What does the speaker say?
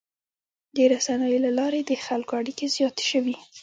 د رسنیو له لارې د خلکو اړیکې زیاتې شوي.